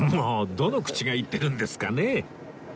どの口が言ってるんですかね！